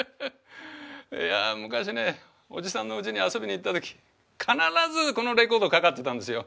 いや昔ねおじさんのうちに遊びに行った時必ずこのレコードかかってたんですよ。